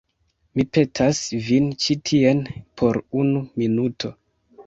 Mi petas vin ĉi tien por unu minuto.